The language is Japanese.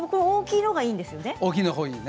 大きいのがいいんですよね。